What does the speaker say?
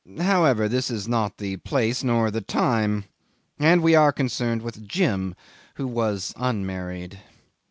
... However, this is not the place, nor the time, and we are concerned with Jim who was unmarried.